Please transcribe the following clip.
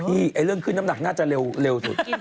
เรื่องขึ้นน้ำหนักน่าจะเร็วสุด